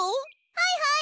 はいはい！